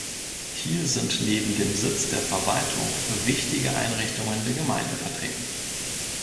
Hier sind neben dem Sitz der Verwaltung wichtige Einrichtungen der Gemeinde vertreten.